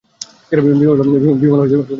বিমলা আরো স্তম্ভিত হয়ে গেল।